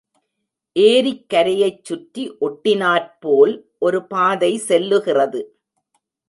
ஏரிக்கரையைச் சுற்றி ஒட்டினாற்போல் ஒரு பாதை செல்லுகிறது.